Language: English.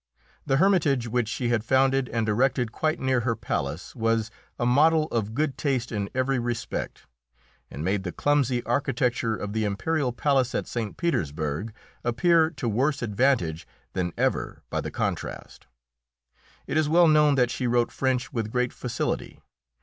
The Hermitage, which she had founded and erected quite near her palace, was a model of good taste in every respect, and made the clumsy architecture of the imperial palace at St. Petersburg appear to worse advantage than ever by the contrast. It is well known that she wrote French with great facility.